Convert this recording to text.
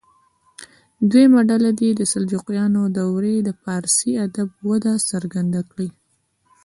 دویمه ډله دې د سلجوقیانو دورې د فارسي ادب وده څرګنده کړي.